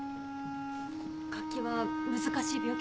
脚気は難しい病気です。